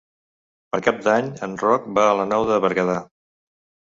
Per Cap d'Any en Roc va a la Nou de Berguedà.